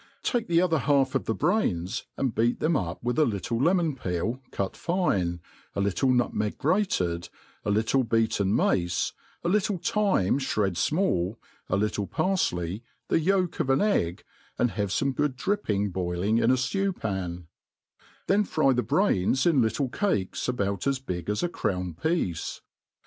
Take the other half of the ybrains, and beat them up with a little lemon peel cut fine, a little nutmeg grated, a little beaten mace, a little thyme (hretl imall, a little parfley, the yolk of an egg, and have fome good dripping boiling in a flew pan ; then fry the brains in little cakes, about as big as a crown piece.